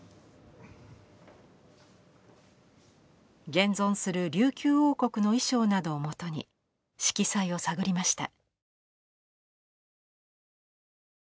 現存する琉球王国の衣装などをもとに色彩を探りました。